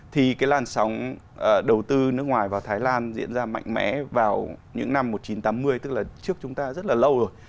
thì cái làn sóng đầu tư nước ngoài vào thái lan diễn ra mạnh mẽ vào những năm một nghìn chín trăm tám mươi tức là trước chúng ta rất là lâu rồi